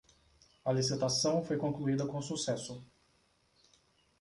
A licitação foi concluída com sucesso